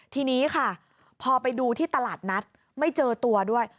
ทีนี้ค่ะพอไปดูที่ตลาดนัดไม่เจอตัวด้วย